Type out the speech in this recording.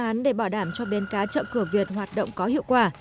đã có phương án để bảo đảm cho bến cá chợ cửa việt hoạt động có hiệu quả